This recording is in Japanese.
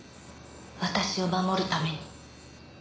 私を守るために。